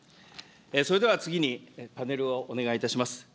それでは次に、パネルをお願いいたします。